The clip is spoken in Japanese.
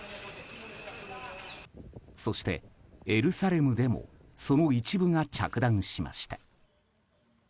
そして、エルサレムでもその一部が着弾しました。